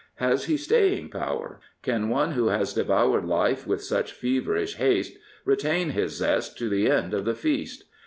Has he staying power ? Can one who has devoured life with such feverish haste retain his zest to the end of the feast?